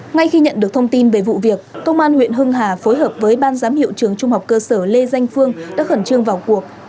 ngay khi nhận được thông tin về vụ việc công an huyện hưng hà phối hợp với ban giám hiệu trường trung học cơ sở lê danh phương đã khẩn trương vào cuộc